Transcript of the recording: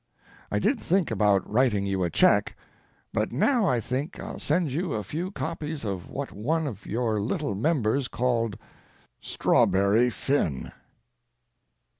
I did think about writing you a check, but now I think I'll send you a few copies of what one of your little members called 'Strawberry Finn'.